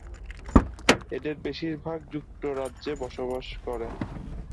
এদের বেশীর ভাগ যুক্তরাজ্যে বসবাস করেন।